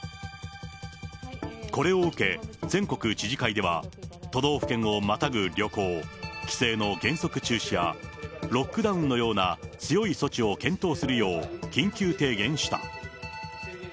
これを受け、全国知事会では、都道府県をまたぐ旅行、帰省の原則中止や、ロックダウンのような強い措置を検討するよう、緊急提言した。